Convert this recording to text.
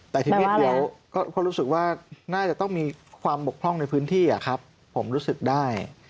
แต่ทีนี้เดี๋ยวก็รู้สึกว่าน่าจะต้องมีความบกพร่องในพื้นที่ครับผมรู้สึกได้